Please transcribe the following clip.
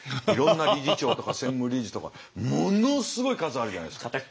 いろんな理事長とか専務理事とかものすごい数あるじゃないですか。